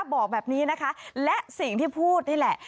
บอกแบบนี้นะคะและสิ่งที่พูดนี่แหละ